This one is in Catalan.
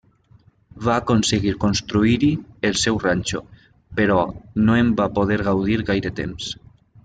Va aconseguir construir-hi el seu ranxo, però no en va poder gaudir gaire temps.